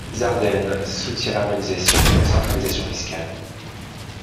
Zarden soutient l'harmonisation et la centralisation fiscales.